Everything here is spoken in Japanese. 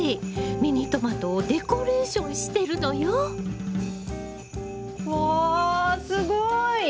ミニトマトをデコレーションしてるのよ！わすごい！